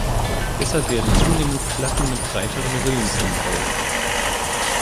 Deshalb werden zunehmend Platten mit breiteren Rillen eingebaut.